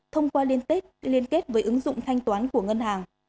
thông qua liên kết liên kết với ứng dụng thanh toán của ngân hàng